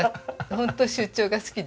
本当出張が好きで。